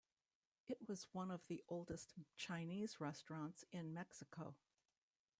It was one of the oldest Chinese restaurants in Mexico.